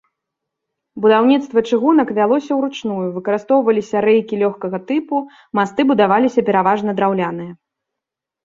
Будаўніцтва чыгунак вялося ўручную, выкарыстоўваліся рэйкі лёгкага тыпу, масты будаваліся пераважна драўляныя.